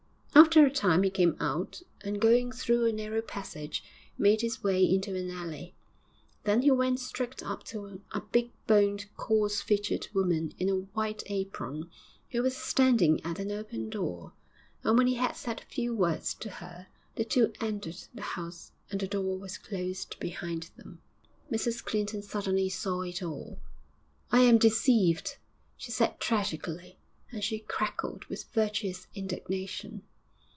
After a time he came out, and, going through a narrow passage made his way into an alley. Then he went straight up to a big boned, coarse featured woman in a white apron, who was standing at an open door, and when he had said a few words to her, the two entered the house and the door was closed behind them. Mrs Clinton suddenly saw it all. 'I am deceived!' she said tragically, and she crackled with virtuous indignation.